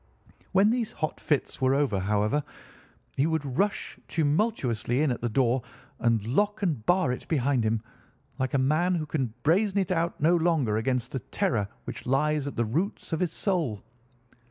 When these hot fits were over, however, he would rush tumultuously in at the door and lock and bar it behind him, like a man who can brazen it out no longer against the terror which lies at the roots of his soul.